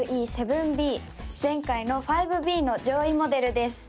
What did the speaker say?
ＴＷ−Ｅ７Ｂ前回の５Ｂの上位モデルです